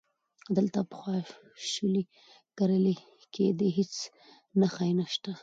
دلته پخوا شولې کرلې کېدې، هیڅ نښه یې نشته،